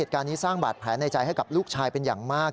การสร้างบาดแผลในใจให้กับลูกชายเป็นอย่างมาก